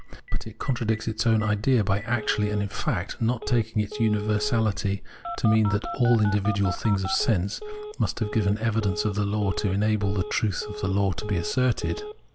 But it contradicts its own idea by actually and in fact not taking its universality to mean that all individual things of sense must have given evidence of the law to enable the truth of the law to be asserted.